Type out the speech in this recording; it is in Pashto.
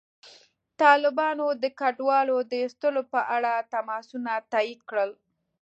طالبانو د کډوالو د ایستلو په اړه تماسونه تایید کړل.